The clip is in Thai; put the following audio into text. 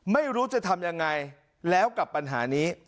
ไม่รู้จะทำยังไงแล้วกับปัญหานี้